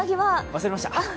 忘れました。